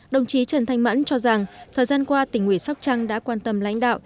đồng chí trần thanh mẫn cho rằng thời gian qua tỉnh ủy sóc trăng đã quan tâm lãnh đạo